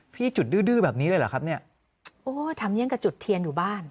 จุดดื้อดื้อแบบนี้เลยเหรอครับเนี่ยโอ้ทำยังกับจุดเทียนอยู่บ้าน